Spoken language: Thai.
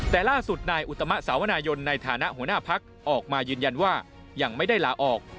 แต่ล่าสุดนายอุตมะสาวนายนในฐานะหัวหน้าพักออกมายืนยันว่ายังไม่ได้ลาออก